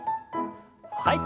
はい。